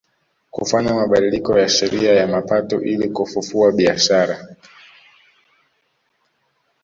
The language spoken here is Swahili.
Kufanya mabadiliko ya sheria ya mapato ili kufufua biashara